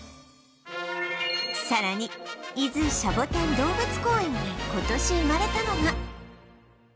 さらに伊豆シャボテン動物公園で今年生まれたのが